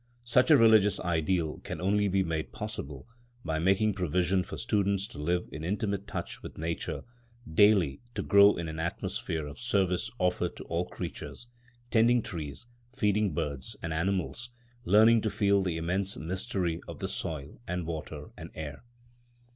Such a religious ideal can only be made possible by making provision for students to live in intimate touch with nature, daily to grow in an atmosphere of service offered to all creatures, tending trees, feeding birds and animals, learning to feel the immense mystery of the soil and water and air.